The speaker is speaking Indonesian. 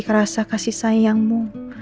kerasa kasih sayangmu